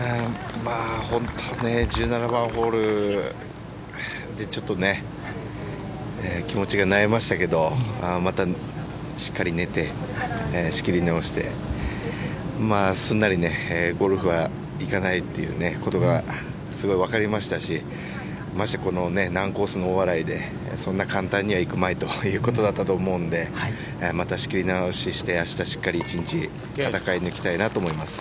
ほんと１７番ホールでちょっと気持ちがなえましたけどまた、しっかり寝て仕切り直してすんなりゴルフはいかないということがすごいわかりましたしまして、この難コースの大洗でそんな簡単にはいくまいということだったと思うんでまた仕切り直しして明日、しっかり一日戦い抜きたいなと思います。